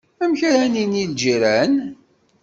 Amek ara inin lǧiran?